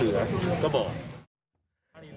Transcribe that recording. คุณชาติคุณชาติคุณชาติ